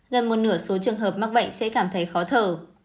gần một nửa số trường hợp mắc bệnh sẽ cảm thấy khó thở